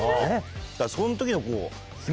だからその時のこう。